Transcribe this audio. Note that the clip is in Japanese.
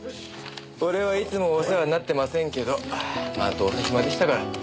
俺はいつもお世話になってませんけどまあどうせ暇でしたから。